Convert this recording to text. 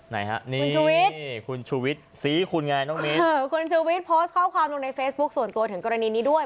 ไหนฮะนี่คุณชุวิตนี่คุณชูวิทย์ซีคุณไงน้องมิ้นคุณชูวิทย์โพสต์ข้อความลงในเฟซบุ๊คส่วนตัวถึงกรณีนี้ด้วย